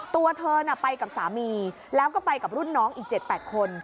ตัวเธอไปกับสามีแล้วก็ไปกับรุ่นน้องอีก๗๘คน